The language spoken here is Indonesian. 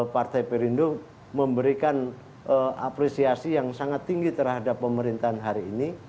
partai perindo memberikan apresiasi yang sangat tinggi terhadap pemerintahan hari ini